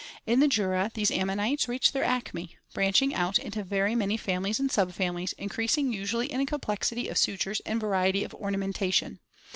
In the Jura these ammonites reached their acme, branching out into very many families and subfamilies, increasing usually in complexity of sutures and variety of ornamentation.